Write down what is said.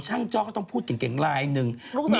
พี่ปุ้ยลูกโตแล้ว